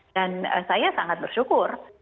dan saya sangat bersyukur